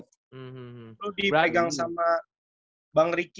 lu dipegang sama bang ricky